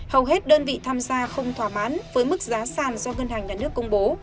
hầu hết đơn vị tham gia không thỏa mãn với mức giá sàn do ngân hàng nhà nước công bố